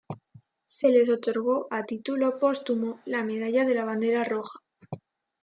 Se les otorgó a título póstumo la medalla de la Bandera Roja.